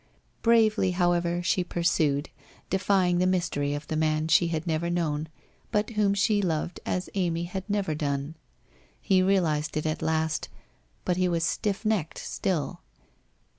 Bravely, however, she pursued, defying the mystery of the man she had never known, but whom she loved as Amy had never done. He realized it at last, but he was stiff necked still.